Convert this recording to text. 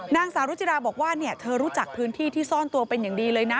นางสาวรุจิราบอกว่าเธอรู้จักพื้นที่ที่ซ่อนตัวเป็นอย่างดีเลยนะ